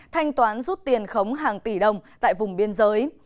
thanh toán rút tiền khống hàng tỷ đồng tại vùng biên giới